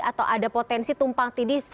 atau ada potensi tumpang tindih